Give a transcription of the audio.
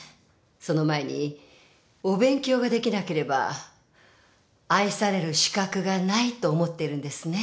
その前にお勉強ができなければ愛される資格がないと思ってるんですね。